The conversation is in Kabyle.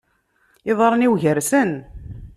Iḍarren-iw gersen.